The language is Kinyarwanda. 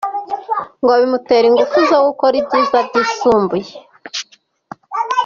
Ngo bimutera ingufu zo gukora ibyiza byisumbuye.